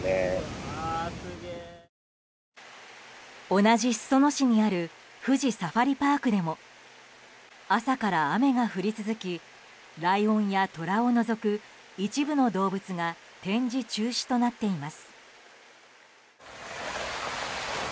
同じ裾野市にある富士サファリパークでも朝から雨が降り続きライオンやトラを除く一部の動物が展示中止となっています。